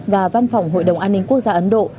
và văn phòng hội đồng an ninh quốc gia ấn độ